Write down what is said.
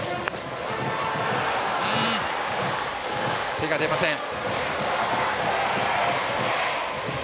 手が出ません。